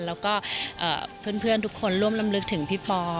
แล้วก็เพื่อนทุกคนร่วมลำลึกถึงพี่ปอ